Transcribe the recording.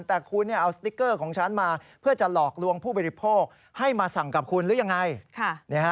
แต่คุณเอาสติเกอร์ของฉันมาเพื่อจะหลอกว่างผู้บริโภคให้อัสสั่งหรือยังไง